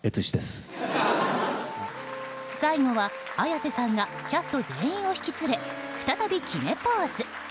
最後は、綾瀬さんがキャスト全員を引き連れ再び決めポーズ！